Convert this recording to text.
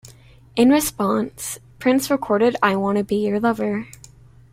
In response, Prince recorded I Wanna Be Your Lover.